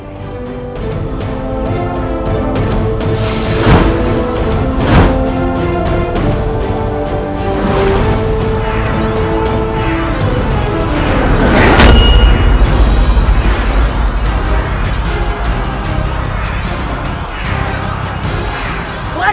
tidak ada gini